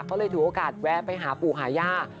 ก็เลยถือโอกาสแวะไปหาปู่หาย่า